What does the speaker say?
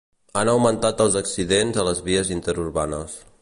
Han augmentat els accidents a les vies interurbanes.